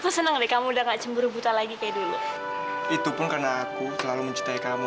sampai jumpa di video selanjutnya